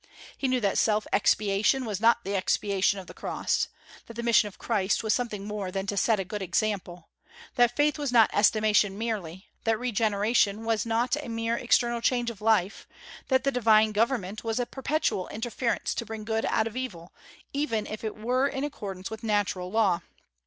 He knew that self expiation was not the expiation of the cross; that the mission of Christ was something more than to set a good example; that faith was not estimation merely; that regeneration was not a mere external change of life; that the Divine government was a perpetual interference to bring good out of evil, even if it were in accordance with natural law.